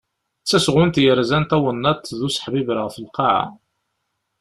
D tasɣunt yerzan tawennaṭ d useḥbiber ɣef Lqaɛa.